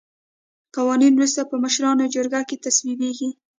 قوانین وروسته په مشرانو جرګه کې تصویبیږي.